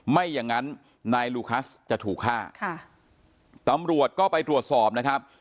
ไม่อย่างนั้นนายลูคัสจะถูกฆ่าค่ะตำรวจก็ไปตรวจสอบนะครับ